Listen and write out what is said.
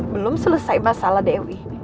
belum selesai masalah dewi